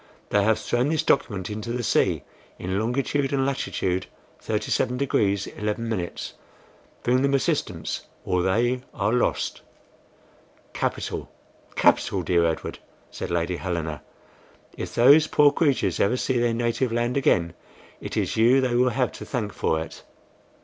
They have thrown this document into the sea, in longitude and latitude 37 degrees 11". Bring them assistance, or they are lost." "Capital! capital! dear Edward," said Lady Helena. "If those poor creatures ever see their native land again, it is you they will have to thank for it."